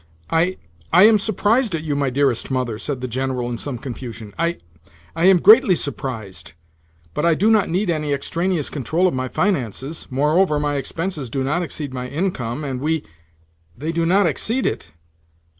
"I I am surprised at you, my dearest mother," said the General in some confusion. "I I am greatly surprised. But I do not need any extraneous control of my finances. Moreover, my expenses do not exceed my income, and we—" "They do not exceed it?